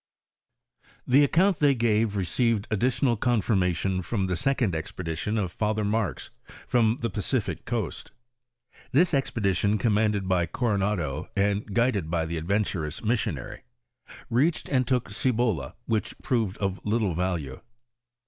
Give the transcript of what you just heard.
The account they gave received additional confirmation from the second expedition of Father Mark's from the Pacific coast. This expedition commanded by Coronado, and guided by the adventurous missionary, reached and took Cibola, which proved of little value.